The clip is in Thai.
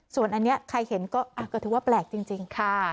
ส่วนอันนี้ใครเห็นก็ถือว่าแปลกจริงค่ะ